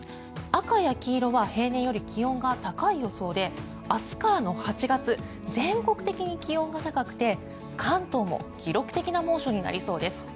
赤や黄色は平年より気温が高い予想で明日からの８月全国的に気温が高くて関東も記録的な猛暑になりそうです。